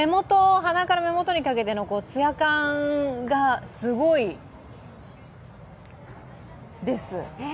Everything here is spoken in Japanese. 鼻から目元にかけてのツヤ感がすごいです。